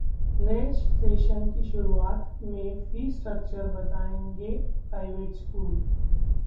नए सेशन की शुरुअात में फीस स्ट्रक्चर बताएंगे प्राइवेट स्कूल